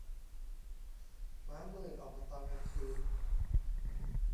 ม้ามืด ออกมาตอนกลางคืน